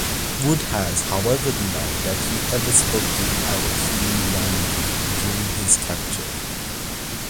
Wood has, however, denied that he ever spoke to Alhilali during his capture.